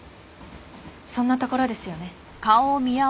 そんなところですよね？